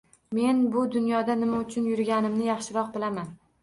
Men bu dunyoda nima uchun yurganimni yaxshiroq bilaman.